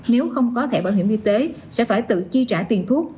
nếu không có thẻ bảo hiểm y tế sẽ phải tự chi trả tiền thuốc